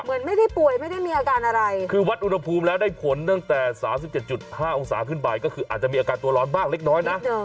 เหมือนไม่ได้ป่วยไม่ได้มีอาการอะไรคือวัดอุณหภูมิแล้วได้ผลตั้งแต่๓๗๕องศาขึ้นไปก็คืออาจจะมีอาการตัวร้อนบ้างเล็กน้อยนะ